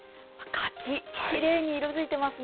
柿、きれいに色づいてますね。